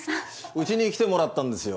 うちに来てもらったんですよ